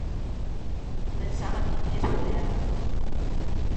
Pensaba que iría sobre ela.